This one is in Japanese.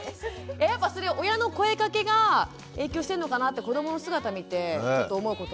やっぱそれ親の声かけが影響してるのかなって子どもの姿見てちょっと思うこともありますよね。